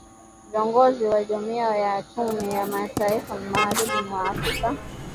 Viongozi wa jumuia ya uchumi ya mataifa ya magharibi mwa Afrika